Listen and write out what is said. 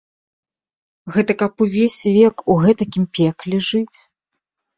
Гэта каб увесь век у гэтакім пекле жыць?